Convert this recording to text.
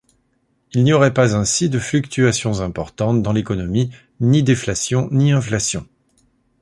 Il n'y aurait pas ainsi de fluctuations importantes dans l'économie, ni déflation ni inflation.